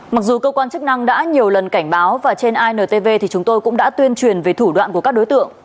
mặc dù cơ quan chức năng đã nhiều lần cảnh báo và trên intv thì chúng tôi cũng đã tuyên truyền về thủ đoạn của các đối tượng